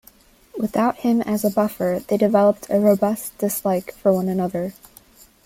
Without him as a buffer, they developed a robust dislike for one another.